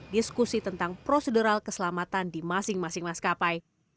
diskusi tentang prosedural keselamatan di masing masing maskapai